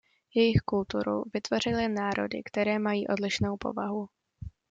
Jejich kulturu vytvořily národy, které mají odlišnou povahu.